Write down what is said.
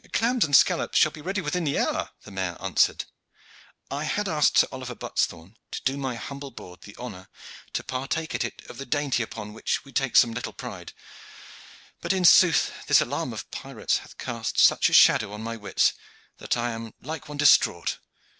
"The clams and scallops shall be ready within the hour," the mayor answered. "I had asked Sir Oliver Buttesthorn to do my humble board the honor to partake at it of the dainty upon which we take some little pride, but in sooth this alarm of pirates hath cast such a shadow on my wits that I am like one distrait.